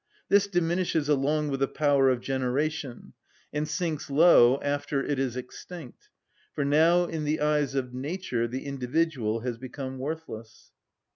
This diminishes along with the power of generation, and sinks low after it is extinct; for now in the eyes of nature the individual has become worthless.